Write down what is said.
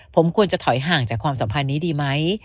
ผมควรจะถอยห่างจากความสัมพันธ์นี้ดีไหม